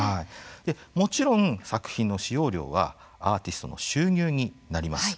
もちろん作品の使用料はアーティストの収入になります。